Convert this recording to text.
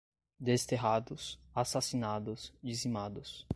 Desterrados, assassinados, dizimados